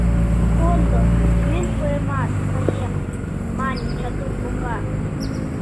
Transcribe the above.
— Кондо, темен пуэмат, каем, — мане Чатук кока.